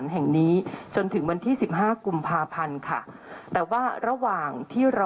แสดงกัดตรรยุต